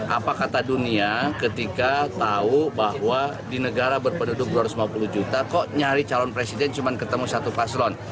apa kata dunia ketika tahu bahwa di negara berpenduduk dua ratus lima puluh juta kok nyari calon presiden cuma ketemu satu paslon